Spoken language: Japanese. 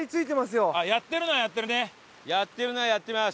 やってるのはやってます。